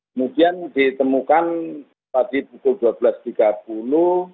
kemudian ditemukan tadi pukul dua belas tiga puluh